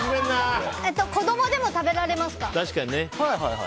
子供でも食べられますか？